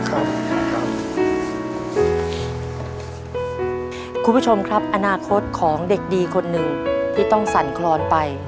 คุณผู้ชมครับอนาคตของเด็กดีคนหนึ่งที่ต้องสั่นคลอนไป